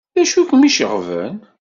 D acu kem-iceɣben?